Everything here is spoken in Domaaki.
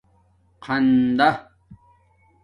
خندݳ